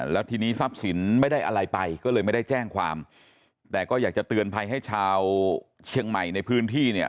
แล้วทีนี้ทรัพย์สินไม่ได้อะไรไปก็เลยไม่ได้แจ้งความแต่ก็อยากจะเตือนภัยให้ชาวเชียงใหม่ในพื้นที่เนี่ย